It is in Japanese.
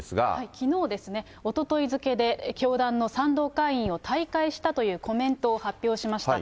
きのうですね、おととい付で教団の賛同会員を退会したというコメントを発表しました。